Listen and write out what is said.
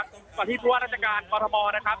ขวัดที่พวกราชการกรมทะมธมศ์นะครับ